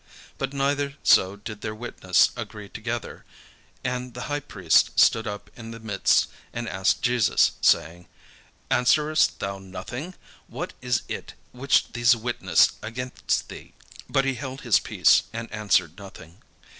'" But neither so did their witness agree together. And the high priest stood up in the midst, and asked Jesus, saying: "Answerest thou nothing? What is it which these witness against thee?" But he held his peace, and answered nothing.